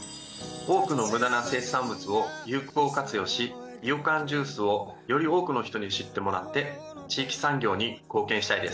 多くの無駄な生産物を有効活用しいよかんジュースをより多くの方々に知ってもらって地域産業に貢献したいです。